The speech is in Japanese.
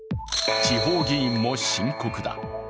地方議員も深刻だ。